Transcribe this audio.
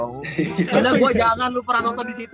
engga gue jangan lu pernah nonton disitu